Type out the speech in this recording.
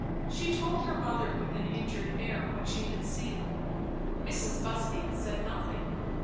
She told her mother with an injured air what she had seen. Mrs. Busby said nothing.